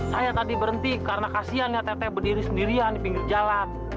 saya tadi berhenti karena kasian ya teteh berdiri sendirian di pinggir jalan